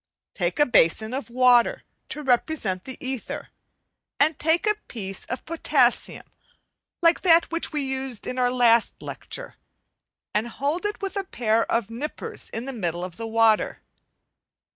Take a basin of water to represent the ether, and take a piece of potassium like that which we used in our last lecture, and hold it with a pair of nippers in the middle of the water.